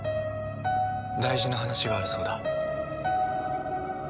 大事な話があるそうだ。